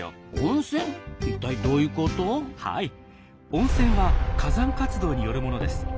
温泉は火山活動によるものです。